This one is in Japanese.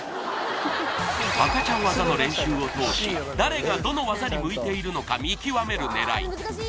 赤ちゃん技の練習を通し誰がどの技に向いているのか見極める狙い